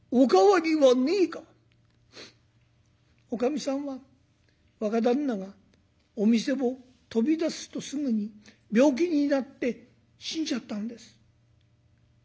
「おかみさんは若旦那がお店を飛び出すとすぐに病気になって死んじゃったんです」。